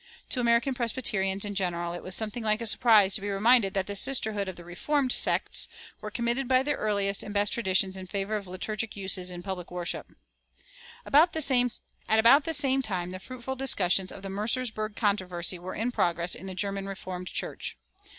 To American Presbyterians in general it was something like a surprise to be reminded that the sisterhood of the "Reformed" sects were committed by their earliest and best traditions in favor of liturgic uses in public worship. At about the same time the fruitful discussions of the Mercersburg controversy were in progress in the German Reformed Church.